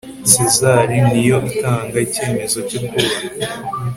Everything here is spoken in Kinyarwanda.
SEZAR niyo itanga icyemezo cyo kubaka